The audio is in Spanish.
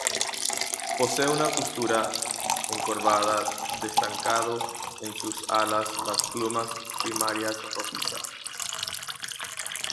Posee una postura encorvada, destacando en sus alas las plumas primarias rojizas.